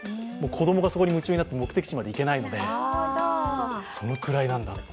子供がそこに夢中になって目的地まで行けないのでそのぐらいなんだって。